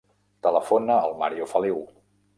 Telefona al Mario Feliu.